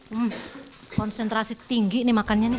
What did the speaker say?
hmm konsentrasi tinggi nih makannya nih